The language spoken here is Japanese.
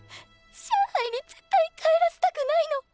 上海に絶対帰らせたくないの。